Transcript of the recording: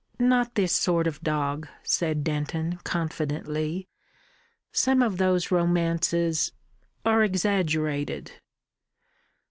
"Not this sort of dog," said Denton confidently. "Some of those romances are exaggerated."